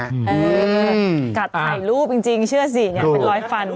เออกัดถ่ายรูปจริงเชื่อสินี่ร้อยฟัน